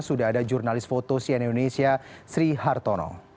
sudah ada jurnalis foto sian indonesia sri hartono